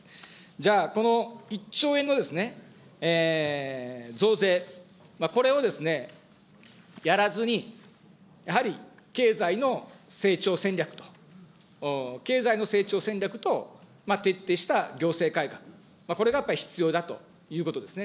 じゃあ、この１兆円のですね、増税、これをですね、やらずに、やはり経済の成長戦略と、経済の成長戦略と徹底した行政改革、これがやっぱり必要だということですね。